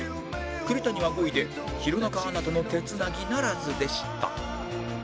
栗谷は５位で弘中アナとの手繋ぎならずでした